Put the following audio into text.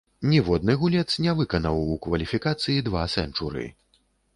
Ніводны гулец не выканаў у кваліфікацыі два сэнчуры.